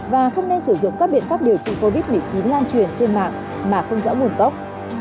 và không nên sử dụng các biện pháp điều trị covid một mươi chín lan truyền trên mạng mà không rõ nguồn gốc